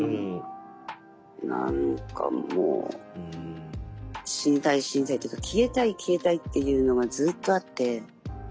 何かもう死にたい死にたいっていうか消えたい消えたいっていうのがずっとあって。